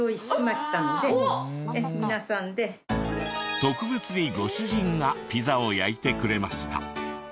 特別にご主人がピザを焼いてくれました。